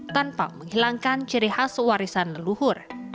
tanpa menghilangkan ciri khas warisan leluhur